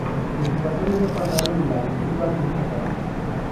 Los invasores no pasaron y la ofensiva fue un fracaso.